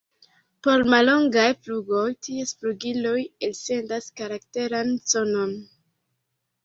Por mallongaj flugoj ties flugiloj elsendas karakteran sonon.